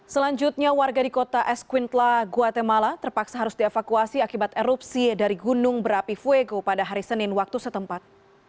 selanjutnya warga di kota esquintla guatemala terpaksa harus dievakuasi akibat erupsi dari gunung berapi fuego pada hari senin waktu setempat